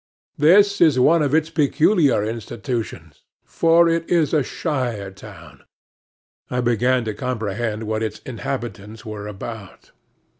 This is one of its peculiar institutions; for it is a shire town. I began to comprehend what its inhabitants were about.